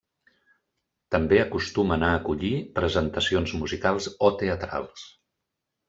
També acostumen a acollir presentacions musicals o teatrals.